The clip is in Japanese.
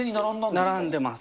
並んでます。